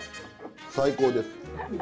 最高です。